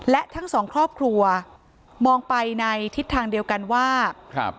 และทั้งสองครอบครัวมองไปในทิศทางเดียวกันว่าครับ